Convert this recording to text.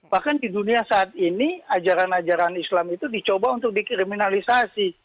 bahkan di dunia saat ini ajaran ajaran islam itu dicoba untuk dikriminalisasi